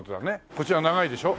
こちら長いでしょ？